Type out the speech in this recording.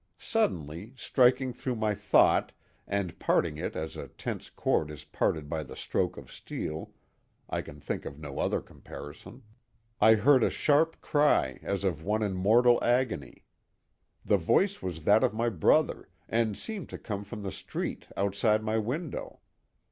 Suddenly, striking through my thought and parting it as a tense cord is parted by the stroke of steel—I can think of no other comparison—I heard a sharp cry as of one in mortal agony! The voice was that of my brother and seemed to come from the street outside my window.